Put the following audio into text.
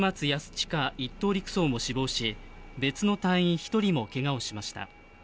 親１等陸曹も死亡し別の隊員１人も怪我をしました。